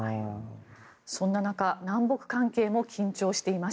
そんな中、南北関係も緊張しています。